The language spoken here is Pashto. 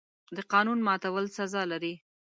د قانون ماتول سزا لري.